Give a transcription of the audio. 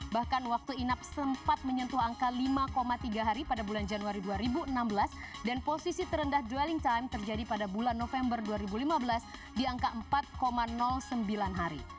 bahkan waktu inap sempat menyentuh angka lima tiga hari pada bulan januari dua ribu enam belas dan posisi terendah dwelling time terjadi pada bulan november dua ribu lima belas di angka empat sembilan hari